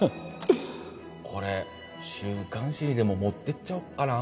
これ週刊誌にでも持ってっちゃおっかな